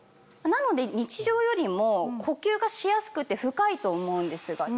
なので日常よりも呼吸がしやすくて深いと思うんですが。